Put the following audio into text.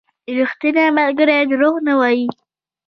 • ریښتینی ملګری دروغ نه وايي.